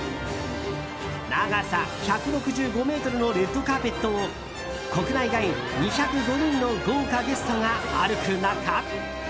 長さ１６５ｍのレッドカーペットを国内外２０５人の豪華ゲストが歩く中。